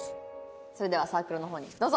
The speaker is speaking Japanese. それではサークルの方にどうぞ。